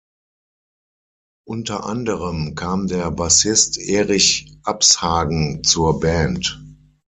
Unter anderem kam der Bassist Erich Abshagen zur Band.